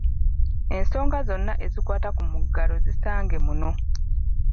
Ensonga zonna ezikwata ku muggalo zisange muno.